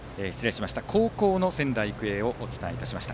後攻の仙台育英をお伝えいたしました。